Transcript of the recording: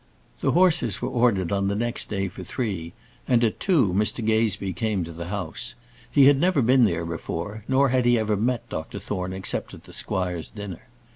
The horses were ordered on the next day for three, and, at two, Mr Gazebee came to the house. He had never been there before, nor had he ever met Dr Thorne except at the squire's dinner.